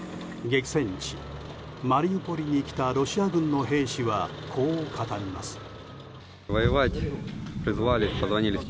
激戦地マリウポリに来たロシア軍の兵士はこう語ります。